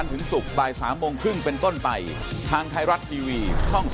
แถมนกพิราบด้วย